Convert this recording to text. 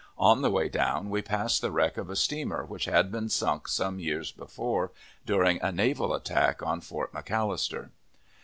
On the way down we passed the wreck of a steamer which had been sunk some years before, during a naval attack on Fort McAllister.